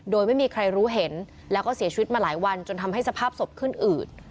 โดยไม่มีใครรู้เห็นแล้วก็เสียชีวิตมาหลายวันจนทำให้สภาพศพขึ้นอืด